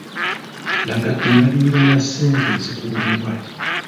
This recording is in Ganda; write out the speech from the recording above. Laga embalirira ya ssente ezikuweebwa.